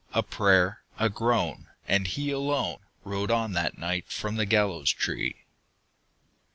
A prayer, a groan, and he alone Rode on that night from the gallows tree.